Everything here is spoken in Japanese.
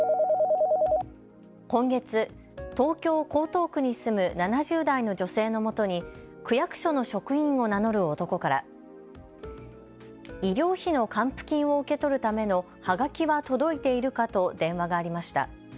今月、東京・江東区に住む７０代の女性のもとに区役所の職員を名乗る男から医療費の還付金を受け取るためのはがきは届いているかと電話がありました。